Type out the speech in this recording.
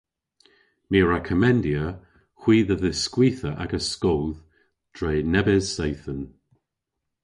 My a wra komendya hwi dhe dhiskwitha agas skoodh dre nebes seythen.